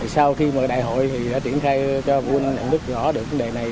sau khi mở đại hội thì đã triển khai cho huynh nhận thức rõ được vấn đề này